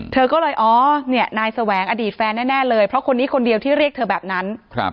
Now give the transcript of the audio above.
เธอก็เลยอ๋อเนี่ยนายแสวงอดีตแฟนแน่เลยเพราะคนนี้คนเดียวที่เรียกเธอแบบนั้น